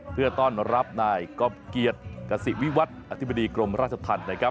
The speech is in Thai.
เพื่อต้อนรับนายกรอบเกียรติกษิวิวัฒน์อธิบดีกรมราชธรรมนะครับ